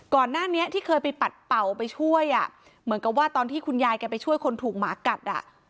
ก่อนหน้านี้ที่เคยไปปัดเป่าไปช่วยอ่ะเหมือนกับว่าตอนที่คุณยายแกไปช่วยคนถูกหมากัดอ่ะ